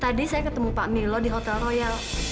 tadi saya ketemu pak milo di hotel royal